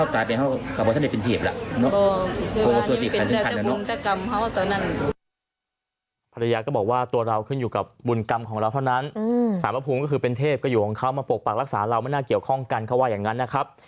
สารพระภูมิก็คือเป็นเทพก็อยู่ของเขามาปกปากรักษาเราไม่น่าเกี่ยวข้องกันเขาว่าอย่างนั้นนะครับ